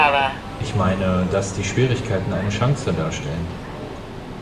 Ich meine, dass diese Schwierigkeiten eine Chance darstellen.